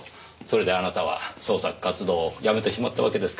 それであなたは創作活動をやめてしまったわけですか。